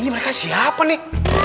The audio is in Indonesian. ini mereka siapa nih